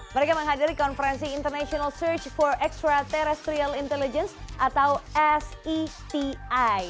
mereka menghadiri konferensi international search for extra terrestrial intelligence atau seti